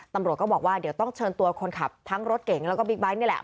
ตำรวจก็บอกว่าเดี๋ยวต้องเชิญตัวคนขับทั้งรถเก่งแล้วก็บิ๊กไบท์นี่แหละ